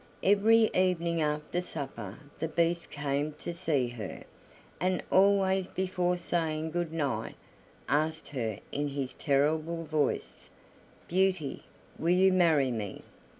Every evening after supper the Beast came to see her, and always before saying good night asked her in his terrible voice: "Beauty, will you marry me?"